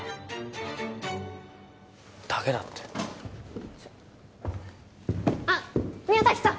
だけだってちょっあっ宮崎さん